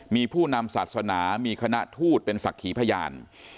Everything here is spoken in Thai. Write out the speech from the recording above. มีผู้นำศาสนามีคณะทูตเป็นศักดิ์ขีพยาน